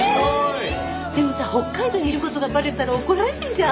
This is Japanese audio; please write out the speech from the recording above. でもさ北海道にいる事がバレたら怒られるんじゃ？